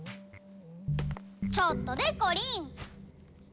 ちょっとでこりん！